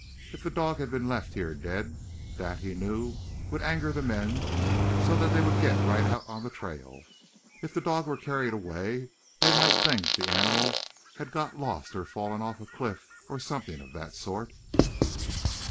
If the dog had been left here dead, that, he knew, would anger the men so that they would get right out on the trail. If the dog were carried away they might think the animal had got lost or fallen off a cliff, or something of the sort."